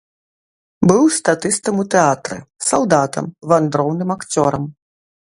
Быў статыстам у тэатры, салдатам, вандроўным акцёрам.